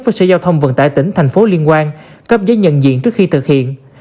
với sở giao thông vận tải tỉnh thành phố liên quan cấp giấy nhận diện trước khi thực hiện